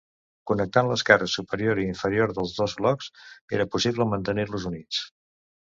Connectant les cares superior i inferior de dos blocs era possible mantenir-los units.